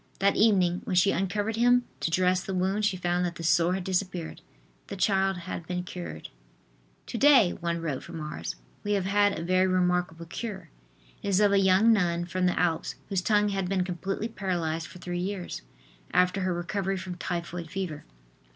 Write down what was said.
That evening, when she uncovered him to dress the wound, she found that the sore had disappeared. The child had been cured. "To day," one wrote from Ars, "we have had a very remarkable cure. It is of a young nun from the Alps whose tongue had been completely paralyzed for three years, after her recovery from typhoid fever.